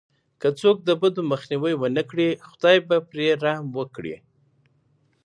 که څوک د بدو مخنيوی ونه کړي، خداي به پرې رحم وکړي.